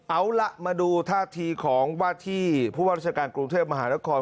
เอาล่ะมาดูท่าทีของว่าที่ผู้ว่าราชการกรุงเทพมหานคร